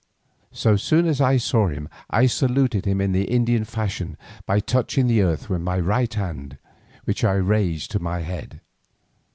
So soon as I saw him I saluted him in the Indian fashion by touching the earth with my right hand, which I then raised to my head.